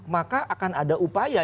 maka akan ada upaya